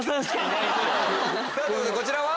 こちらは？